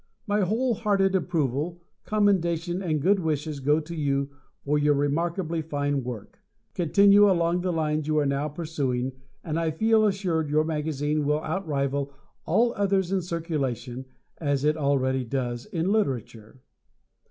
My whole hearted approval, commendation and good wishes go to you for your remarkably fine work. Continue along the lines you are now pursuing, and I feel assured your magazine will outrival all others in circulation, as it already does in literature.